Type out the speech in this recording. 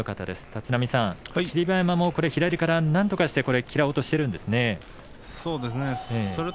立浪さん、霧馬山もこれ左からなんとか嫌おうとしているんですね。